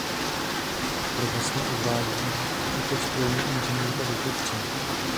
Profesně uvádí jako strojní inženýr a důchodce.